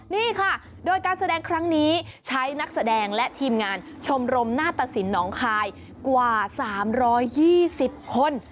นี่ค่ะโดยการแสดงครั้งนี้ใช้นักแสดงและทีมงานชมรมหน้าตสินหนองคายกว่า๓๒๐คน